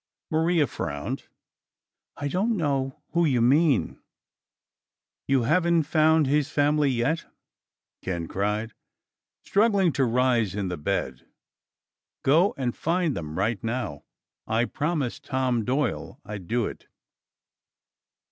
Maria frowned. "I don't know who you mean!" "You haven't found his family yet?" Ken cried, struggling to rise in the bed. "Go and find them right now. I promised Tom Doyle I'd do it."